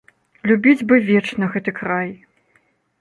Любіць бы вечна гэты край.